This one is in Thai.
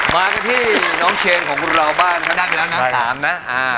มากันที่น้องเชนของคุณราวบ้านขนาดนี้แล้วนะ๓นะ